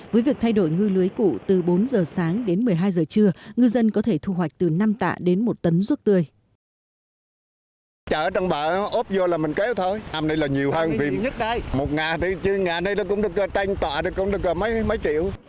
với việc thay đổi ngư lưới cụ từ bốn giờ sáng đến một mươi hai giờ trưa ngư dân có thể thu hoạch từ năm tạ đến một tấn ruốc tươi